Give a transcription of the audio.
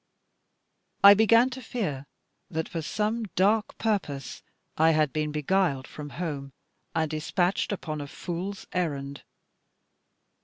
I began to fear that, for some dark purpose, I had been beguiled from home, and despatched upon a fool's errand.